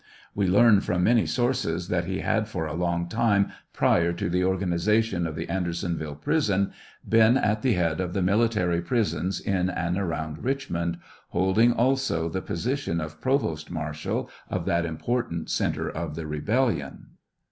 We learn from many sources that he had ior a long time prior to the organization of the Ander sonville prison been at the head of the military prisons in and around Richmond, holding also the position of provost marshal of that important centre of the lebellion.